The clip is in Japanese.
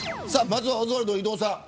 まずは、オズワルド伊藤さん。